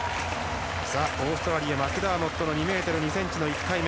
オーストラリアマクダーモットの２ｍ２ｃｍ、１回目。